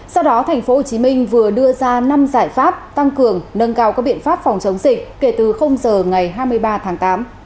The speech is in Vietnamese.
sau đó tp hcm vừa đưa ra năm giải pháp tăng cường nâng cao các biện pháp phòng chống dịch kể từ giờ ngày hai mươi ba tháng tám